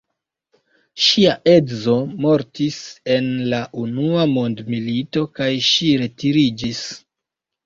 Ŝia edzo mortis en la unua mondmilito kaj ŝi retiriĝis.